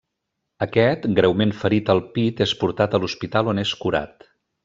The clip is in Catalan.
Aquest, greument ferit al pit és portat a l'hospital on és curat.